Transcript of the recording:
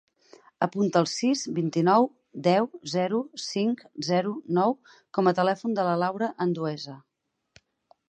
Apunta el sis, vint-i-nou, deu, zero, cinc, zero, nou com a telèfon de la Laura Andueza.